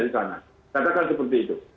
katakan seperti itu